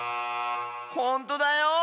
ほんとだよ！